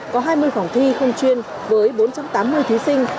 có hai mươi phòng thi không chuyên với bốn trăm tám mươi thí sinh